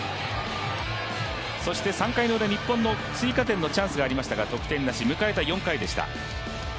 そして３回のウラ、日本の攻撃チャンスがありましたが得点なし、迎えた４回でした。